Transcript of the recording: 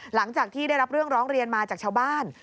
หลังจากที่ได้รับเรื่องร้องเรียนมาจากชาวบ้าน